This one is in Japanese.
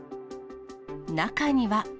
中には。